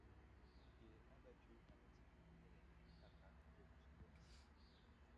Il est abattu, avec sa femme Hélène Mpaka, devant son domicile.